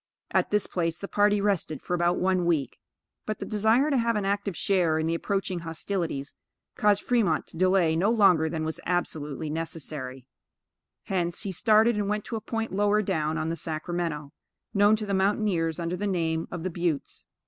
At this place the party rested for about one week; but the desire to have an active share in the approaching hostilities, caused Fremont to delay no longer than was absolutely necessary; hence, he started and went to a point lower down on the Sacramento, known to the mountaineers under the name of the Buttes.